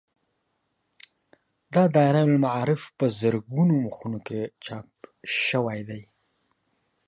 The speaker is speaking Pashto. دا دایرة المعارف په زرګونو مخونو کې چاپ شوی دی.